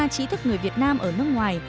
trí thức người việt nam ở nước ngoài